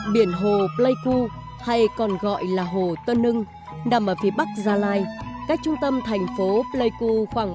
biển hồ pleiku hay còn gọi là hồ tân nưng nằm ở phía bắc gia lai cách trung tâm thành phố pleiku khoảng bảy km